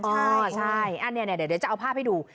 ใช่อันนี้เดี๋ยวจะเอาภาพให้ดู